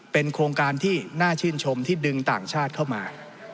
เป็นโครงการที่น่าชื่นชมที่ดึงต่างชาติเข้ามา